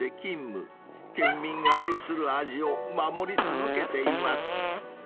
［県民が愛する味を守り続けています］